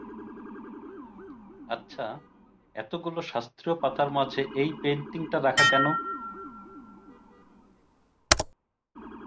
আচ্ছা, এতগুলো শাস্ত্রীয় পাতার মাঝে এই পেইন্টিংটা রাখা কেন?